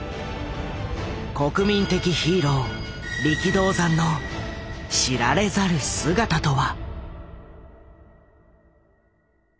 国民的ヒーロー力道山の知られざる姿とは。